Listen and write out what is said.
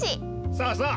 そうそう！